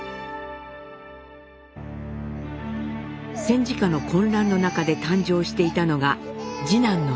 戦時下の混乱の中で誕生していたのが次男の晃。